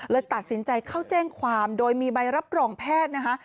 ตัดสินใจเข้าแจ้งความโดยมีใบรับรองแพทย์นะคะ